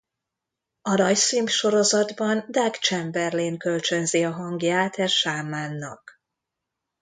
A rajzfilm sorozatban Doug Chamberlain kölcsönzi a hangját e sámánnak.